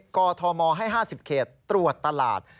กธมให้๕๐เขตตรวจตลาด